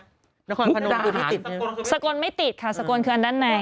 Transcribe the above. มุกดาหารสกลไม่ติดค่ะสกลคืออันด้านใน